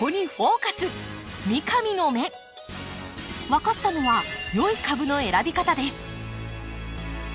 分かったのは良い株の選び方です。